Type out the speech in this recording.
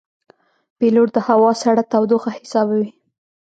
پیلوټ د هوا سړه تودوخه حسابوي.